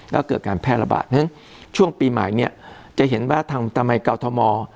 แล้วเกิดการแพร่ระบาดนั้นช่วงปีใหม่เนี่ยจะเห็นว่าทางทำไมกรทม